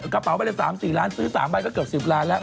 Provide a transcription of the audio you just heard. กระเป๋าไปเลยสามสี่ล้านซื้อสามบันก็เกือบสิบล้านแล้ว